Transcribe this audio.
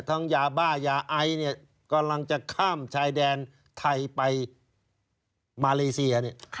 ยาบ้ายาไอเนี่ยกำลังจะข้ามชายแดนไทยไปมาเลเซียเนี่ย